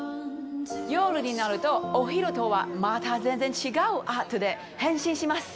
夜になると、お昼とはまた全然違うアートに変身します。